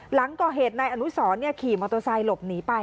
หลังก่อเหตุนายอนุสรขี่มอเตอร์ไซค์หลบหนีไป